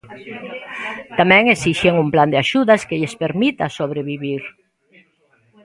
Tamén esixen un plan de axudas que lles permita sobrevivir.